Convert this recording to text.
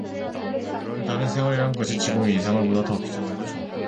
그 다른 생활이라는 것이 지금 이 생활보다 더 비참하여도 좋았다.